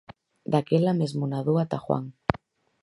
Daquela mesmo nadou ata Juan.